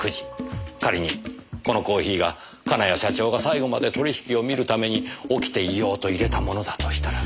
仮にこのコーヒーが金谷社長が最後まで取引を見るために起きていようと淹れたものだとしたら。